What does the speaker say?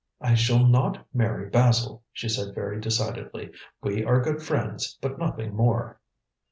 "I shall not marry Basil," she said very decidedly. "We are good friends, but nothing more."